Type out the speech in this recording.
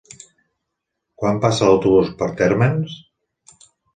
Quan passa l'autobús per Térmens?